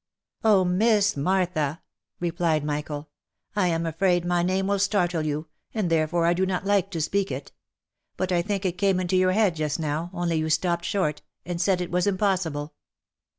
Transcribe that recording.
" Oh! Miss Martha!" replied Michael, " I am afraid my name will startle you, and therefore I do not like to speak it. But I think it came into your head just now, only you stopped short, and said it was impossible."